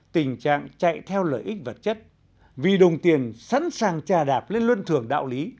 tình trạng chạy theo lợi ích vật chất vì đồng tiền sẵn sàng trà đạp lên luân thường đạo lý